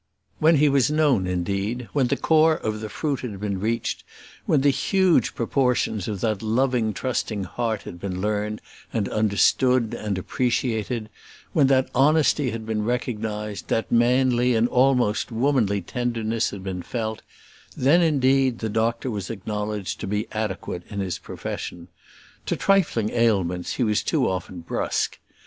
When he was known, indeed, when the core of the fruit had been reached, when the huge proportions of that loving trusting heart had been learned, and understood, and appreciated, when that honesty had been recognised, that manly, and almost womanly tenderness had been felt, then, indeed, the doctor was acknowledged to be adequate in his profession. To trifling ailments he was too often brusque.